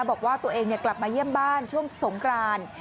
บอกว่าตัวเองกลับมาเยี่ยมบ้านช่วงสงกราน